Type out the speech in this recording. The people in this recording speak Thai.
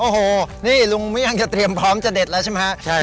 โอ้โหนี่ลุงเมี่ยงจะเตรียมพร้อมจะเด็ดแล้วใช่ไหมฮะใช่